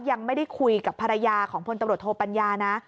ยังไม่ได้คุยกับภรรยาของพลตำรวจโทปัญญานะ